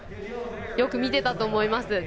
よく見てたと思います。